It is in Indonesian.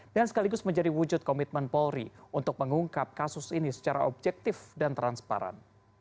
dan sekaligus menjadi wujud komitmen polri untuk mengungkap kasus ini secara objektif dan transparan